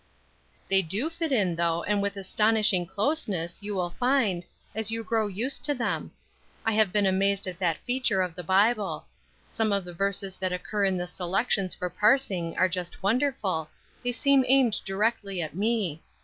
"They do fit in, though, and with astonishing closeness, you will find, as you grow used to them. I have been amazed at that feature of the Bible. Some of the verses that occur in the selections for parsing are just wonderful; they seem aimed directly at me.